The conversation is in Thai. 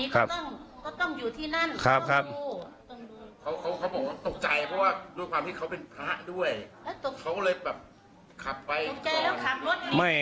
เขาก็เลยแบบขับไป